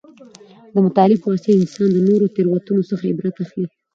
د مطالعې په واسطه انسان د نورو د تېروتنو څخه عبرت اخلي.